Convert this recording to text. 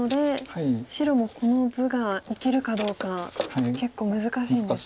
白もこの図がいけるかどうか結構難しいんですね。